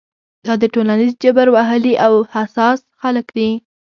دا د ټولنیز جبر وهلي او حساس خلک دي.